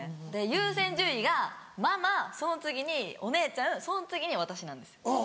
優先順位がママその次にお姉ちゃんその次に私なんですよ。